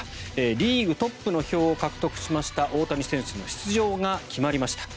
リーグトップの票を獲得しました大谷選手の出場が決まりました。